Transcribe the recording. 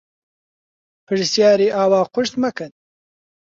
پرسیاری ئاوا قورس مەکەن.